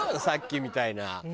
さっきみたいな。